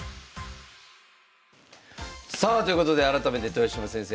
さあということで改めて豊島先生